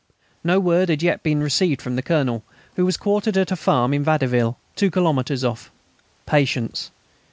No word had yet been received from the Colonel, who was quartered at the farm of Vadiville, two kilometres off. Patience!